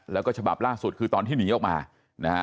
แล้วก็ฉบับล่าสุดคือตอนที่หนีออกมานะฮะ